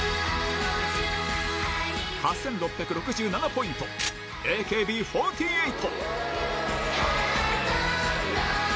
８６６７ポイント、ＡＫＢ４８。